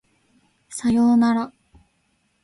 左様なら